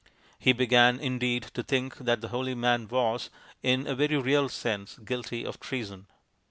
He began, indeed, to think that the holy man was, in a very real sense, guilty of treason.